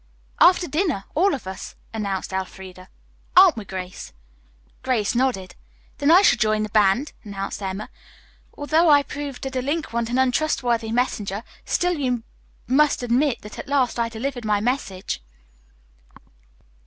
"After dinner, all of us," announced Elfreda. "Aren't we, Grace?" Grace nodded. "Then I shall join the band," announced Emma. "Although I proved a delinquent and untrustworthy messenger, still you must admit that at last I delivered my message."